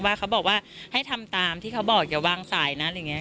ว่าเขาบอกว่าให้ทำตามที่เขาบอกอย่าวางสายนะอะไรอย่างนี้